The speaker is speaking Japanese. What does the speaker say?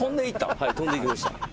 はい飛んでいきました。